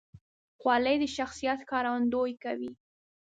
خولۍ د شخصیت ښکارندویي کوي.